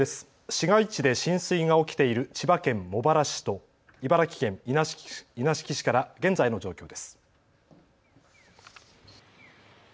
市街地で浸水が起きている千葉県茂原市と茨城県稲敷市から現在の状況です。